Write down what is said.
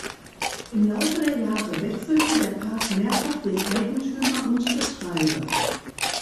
Im Laufe der Jahre wechselte der Park mehrfach den Eigentümer und Betreiber.